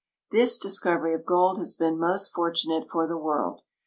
This discovery of gold has been most fortunate for the Avorld.